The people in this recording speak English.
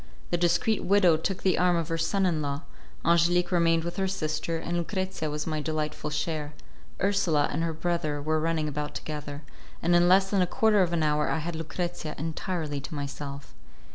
The discreet widow took the arm of her son in law, Angelique remained with her sister, and Lucrezia was my delightful share; Ursula and her brother were running about together, and in less than a quarter of an hour I had Lucrezia entirely to myself.